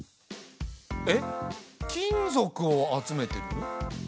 えっ金属を集めてる？